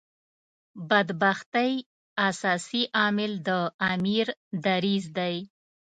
بدبختۍ اساسي عامل د امیر دریځ دی.